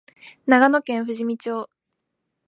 長野県富士見町